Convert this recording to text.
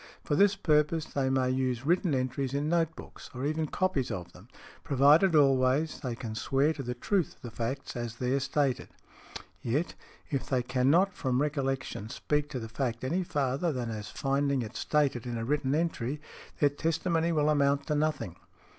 For this purpose they may use written entries in note books, or even copies of them, provided always they can swear to the truth of the facts as there stated. Yet, if they can not from recollection speak to the fact any farther than as finding it stated in a written entry, their testimony will amount to nothing.